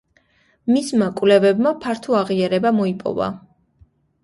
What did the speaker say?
მისმა კვლევებმა ფართო აღიარება მოიპოვა.